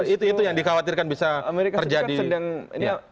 itu yang dikhawatirkan bisa terjadi